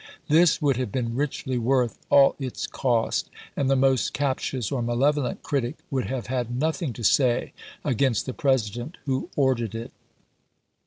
This would have been richly worth all its cost, and the most captious or malevolent critic would have had noth ing to say against the President who ordered it.